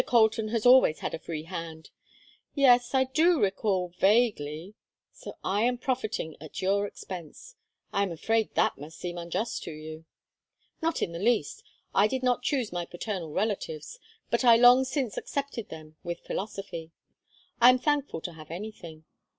Colton has always had a free hand yes I do recall vaguely. So I am profiting at your expense. I am afraid that must seem unjust to you." "Not in the least. I did not choose my paternal relatives, but I long since accepted them with philosophy. I am thankful to have anything.